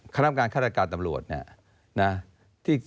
ฆ่านำการข้าราการตำรวจเนี่ย